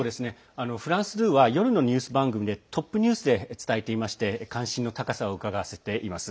フランス２は夜のニュース番組でトップニュースで伝えていまして関心の高さをうかがわせています。